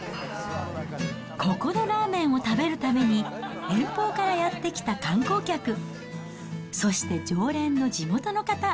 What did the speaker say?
ここでラーメンを食べるために、遠方からやって来た観光客、そして常連の地元の方。